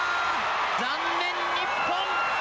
残念、日本。